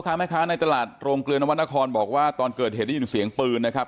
ค้าแม่ค้าในตลาดโรงเกลือนวรรณครบอกว่าตอนเกิดเหตุได้ยินเสียงปืนนะครับ